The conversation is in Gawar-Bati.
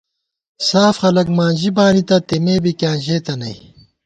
ساف خلَک ماں ژِی بانِتہ ، تېمے بی کِیاں ژېتہ نئ